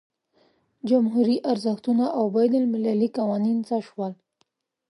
جمهوري ارزښتونه او بین المللي قوانین څه شول.